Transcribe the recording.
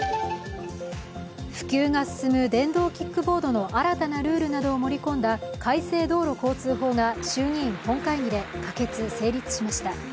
普及が続く電動キックボードの新たなルールなどを盛り込んだ改正道路交通法が衆議院本会議で可決・成立しました。